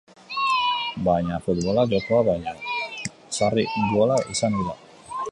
Baina futbola jokoa baino, sarri gola izan ohi da.